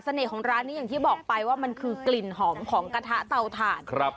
ของร้านนี้อย่างที่บอกไปว่ามันคือกลิ่นหอมของกระทะเตาถ่าน